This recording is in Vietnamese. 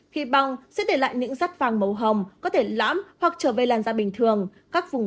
khi băng sẽ để lại những rắt vàng màu hồng có thể lõm hoặc trở về làn da bình thường các vùng